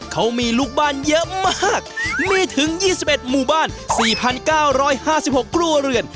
เขามีลูกบ้านเยอะมากมีถึง๒๑หมู่บ้าน๔๙๕๖ครัวเรือน